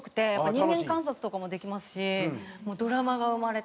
人間観察とかもできますしドラマが生まれて。